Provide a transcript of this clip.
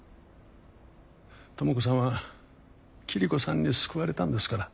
知子さんは桐子さんに救われたんですから。